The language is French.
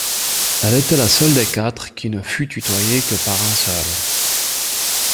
Elle était la seule des quatre qui ne fût tutoyée que par un seul.